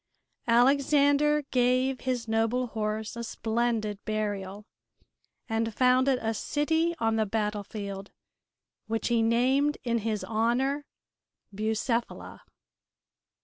Alexander gave his noble horse a splendid burial and founded a city on the battlefield, which he named in his honor Bucephala.